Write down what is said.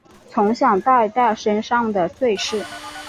从小带在身上的垂饰